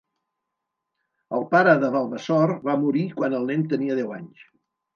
El pare de Valvasor va morir quan el nen tenia deu anys.